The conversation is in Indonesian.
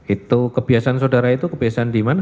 itu kebiasaan saudara itu kebiasaan di mana